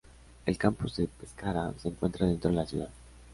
El Campus de Pescara se encuentra dentro de la ciudad.